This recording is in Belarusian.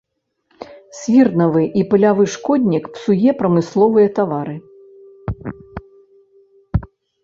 Свірнавы і палявы шкоднік, псуе прамысловыя тавары.